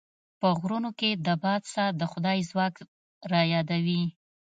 په غرونو کې د باد ساه د خدای ځواک رايادوي.